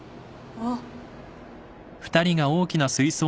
あっ